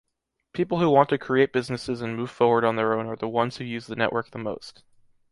People who want to create businesses and move forward on their own are the ones who use the network the most.